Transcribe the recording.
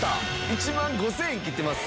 １万５０００円切ってます。